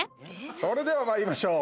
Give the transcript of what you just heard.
それでは、まりましょう。